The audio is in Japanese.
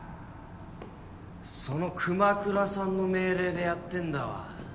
その熊倉さんの命令でやってんだわ。